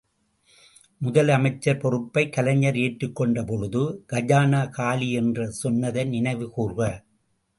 முதலமைச்சர் பொறுப்பை கலைஞர் ஏற்றுக் கொண்ட பொழுது, கஜானா காலி என்று சொன்னதை நினைவு கூர்க.